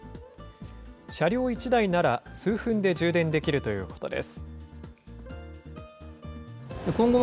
車両１台なら数分で充電できるということです。